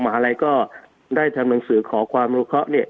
หาลัยก็ได้ทำหนังสือขอความรู้เคราะห์เนี่ย